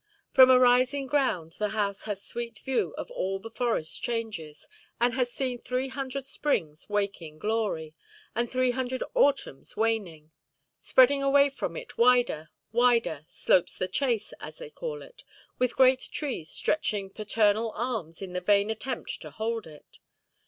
From a rising ground the house has sweet view of all the forest changes, and has seen three hundred springs wake in glory, and three hundred autumns waning. Spreading away from it wider, wider, slopes "the Chase", as they call it, with great trees stretching paternal arms in the vain attempt to hold it.